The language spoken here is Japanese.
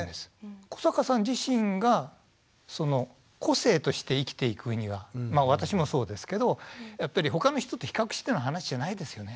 古坂さん自身がその個性として生きていく上には私もそうですけどやっぱり他の人と比較しての話じゃないですよね。